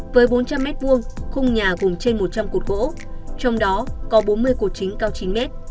với bốn trăm linh m hai khung nhà vùng trên một trăm linh cột gỗ trong đó có bốn mươi cột chính cao chín mét